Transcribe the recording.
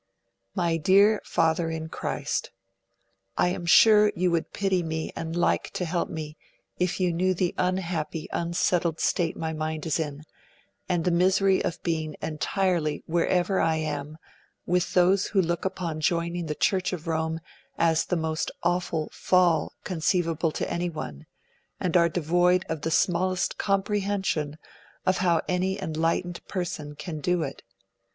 'MY DEAR FATHER IN CHRIST, '... I am sure you would pity me and like to help me, if you knew the unhappy, unsettled state my mind is in, and the misery of being ENTIRELY, WHEREVER I AM, with those who look upon joining the Church of Rome as the most awful "fall" conceivable to any one, and are devoid of the smallest comprehension of how any enlightened person can do it....